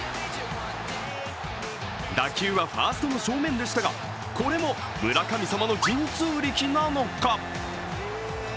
打球はファーストの正面でしたがこれも村神様の神通力なのか。